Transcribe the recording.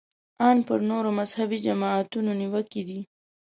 ان پر نورو مذهبي جماعتونو نیوکې دي.